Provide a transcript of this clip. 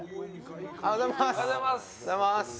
おはようございます。